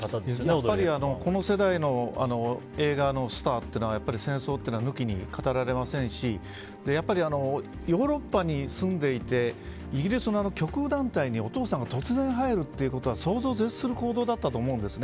やっぱり、この世代の映画のスターというのは戦争というのは抜きに語られませんしヨーロッパに住んでいてイギリスの極右団体にお父さんが突然、入るということは想像を絶する行動だったと思うんです。